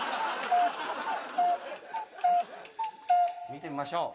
見てみましょう。